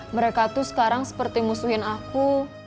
mereka tuh sekarang seperti musuhin aku